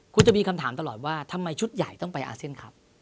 คุณจะมีคำถามตลอดว่าทำไมชุดใหญ่ต้องไปอาเซียนครับ